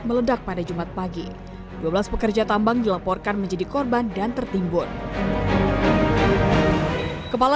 meledak pada jumat pagi dua belas pekerja tambang dilaporkan menjadi korban dan tertimbun kepala